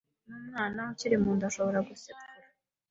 n’umwana ukiri mu nda ashobora gusepfura.